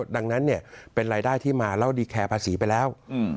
ดังนั้นเนี่ยเป็นรายได้ที่มาแล้วดีแคร์ภาษีไปแล้ว